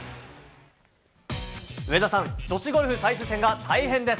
上田さん女子ゴルフ最終戦が大変です。